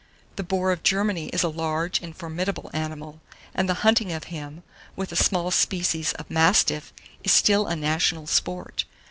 The boar of Germany is a large and formidable animal, and the hunting of him, with a small species of mastiff, is still a national sport.